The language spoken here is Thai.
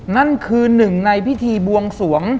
นั่นคือหนึ่งในพิธีบวงสวง